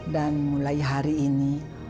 dan mulai hari ini